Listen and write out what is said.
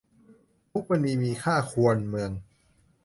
มุกมณีมีค่าควรเมือง